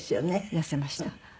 痩せました。